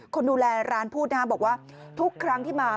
คนดูแลร้านพูดนะครับบอกว่าทุกครั้งที่มา